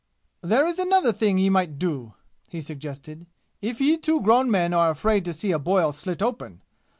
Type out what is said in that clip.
"There is another thing ye might do," he suggested, "if ye two grown men are afraid to see a boil slit open.